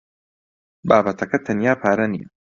بابەتەکە تەنیا پارە نییە.